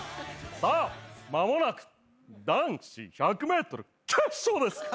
さあ間もなく男子１００ｍ決勝です！